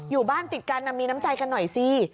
อยู่บ้านติดกันมีน้ำใจกันหน่อยสิ